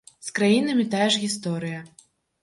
З краінамі тая ж гісторыя.